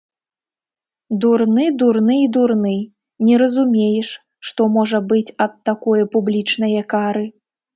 Дурны, дурны і дурны, не разумееш, што можа быць ад такое публічнае кары.